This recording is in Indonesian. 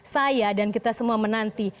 saya dan kita semua menanti